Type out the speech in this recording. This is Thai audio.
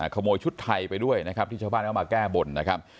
ขโมยชุดไทยไปด้วยนะครับที่ชาวบ้านเขามาแก้บนนะครับ